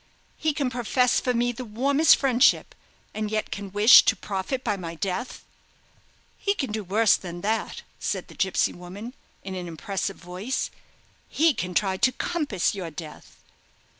he can profess for me the warmest friendship, and yet can wish to profit by my death!" "He can do worse than that," said the gipsy woman, in an impressive voice; "he can try to compass your death!"